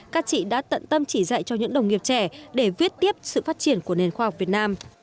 các chị đã tận tâm chỉ dạy cho những đồng nghiệp trẻ để viết tiếp sự phát triển của nền khoa học việt nam